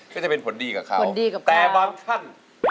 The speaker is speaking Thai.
ก็จะเป็นผลดีกับเขาแต่บางท่าน